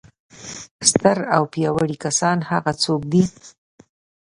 ستر او پیاوړي کسان هغه څوک دي.